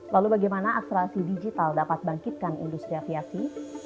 lalu bagaimana akselerasi digital dapat bangkitkan industri aviasi